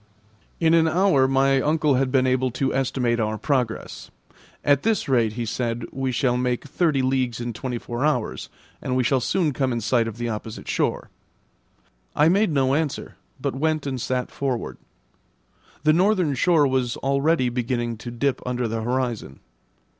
In an hour my uncle had been able to estimate our progress. At this rate, he said, we shall make thirty leagues in twenty four hours, and we shall soon come in sight of the opposite shore. I made no answer, but went and sat forward. The northern shore was already beginning to dip under the horizon.